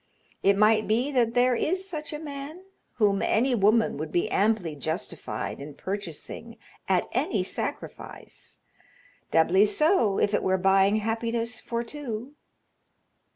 It might be that there is such a man whom any woman would be amply justified in purchasing at any sacrifice doubly so if it were buying happiness for two."